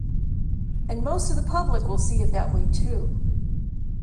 And most of the public will see it that way too.